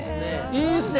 いいっすわ。